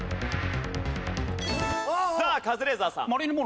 さあカズレーザーさん。